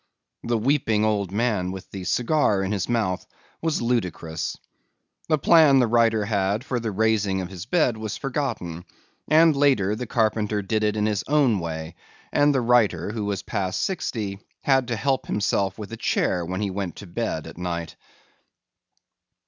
The weeping old man with the cigar in his mouth was ludicrous. The plan the writer had for the raising of his bed was forgotten and later the carpenter did it in his own way and the writer, who was past sixty, had to help himself with a chair when he went to bed at night.